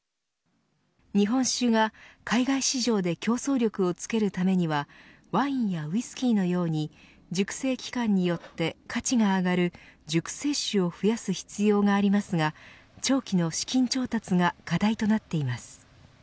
日本酒が海外市場で競争力をつけるためにはワインやウイスキーのように熟成期間によって価値が上がる熟成酒を増やす必要がありますが長期の資金調達が課題となっています。